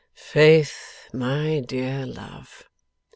'Faith, my dear love!